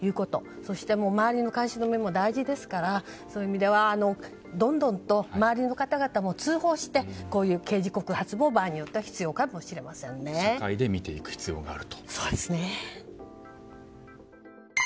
そして、周りの監視の目も大事ですからそういう意味ではどんどんと周りの方々も通報して、こういう刑事告発も場合によっては社会で見ていく必要があると。